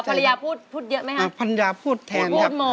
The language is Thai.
พรรยาพูดเพราะพัญญาพูดแทนครับ